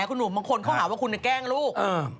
คุณหนุ่มบางคนเขาหาว่าคุณแกล้งลูก